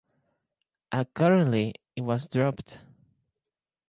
Accordingly, it was dropped.